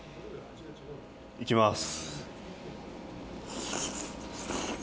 いきます。